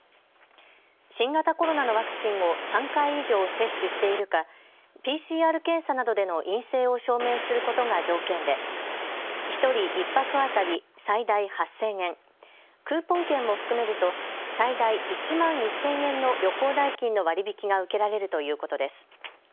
新型コロナのワクチンを３回以上接種しているか、ＰＣＲ検査などでの陰性を証明することが条件で、１人１泊当たり最大８０００円、クーポン券も含めると最大１万１０００円の旅行代金の割り引きが受けられるということです。